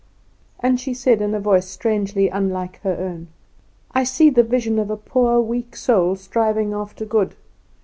And she said, in a voice strangely unlike her own: "I see the vision of a poor, weak soul striving after good.